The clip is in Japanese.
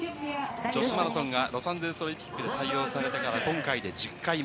女子マラソンがロサンゼルスオリンピックで採用されてから、今回で１０回目。